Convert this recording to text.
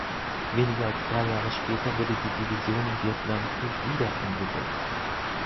Weniger als drei Jahre später wurde die Division im Vietnamkrieg wieder eingesetzt.